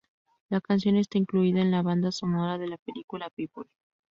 La canción está incluida en la banda sonora de la película People.